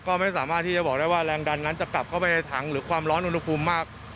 ก็ไม่สามารถที่จะบอกได้ว่าแรงดันนั้นจะกลับเข้าไปในถังหรือความร้อนอุณหภูมิมาก